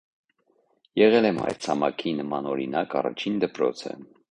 Եղել է մայրցամաքի նմանօրինակ առաջին դպրոցը։